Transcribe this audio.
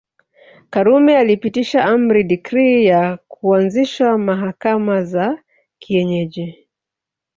Karume alipitisha amri decree ya kuanzishwa mahakama za kienyeji